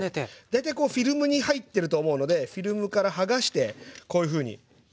大体こうフィルムに入ってると思うのでフィルムから剥がしてこういうふうに２枚重ねます。